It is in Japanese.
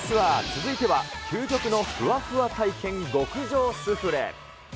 続いては、究極のふわふわ体験極上スフレ。